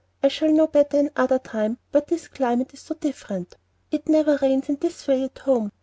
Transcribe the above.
I shall know better another time, but this climate is so different. It never rains in this way at home.